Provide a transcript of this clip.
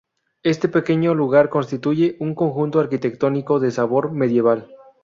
Este pequeño lugar constituye un conjunto arquitectónico de sabor medieval.